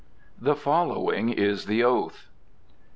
THE FOLLOWING IS THE OATH.